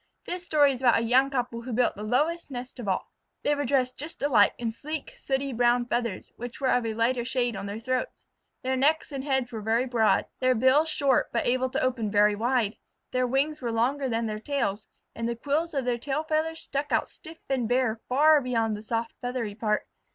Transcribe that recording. This story is about a young couple who built the lowest nest of all. They were dressed just alike in sleek, sooty, brown feathers, which were of a lighter shade on their throats. Their necks and heads were very broad, their bills short but able to open very wide; their wings were longer than their tails, and the quills of their tail feathers stuck out stiff and bare far beyond the soft, feathery part.